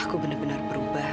aku benar benar berubah